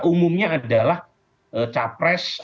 umumnya adalah capres